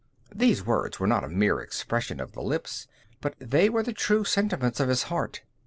These words were not a mere expression of the lips, but they were the true sentiments of his heart.